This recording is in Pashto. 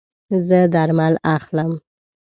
زه درمل اخلم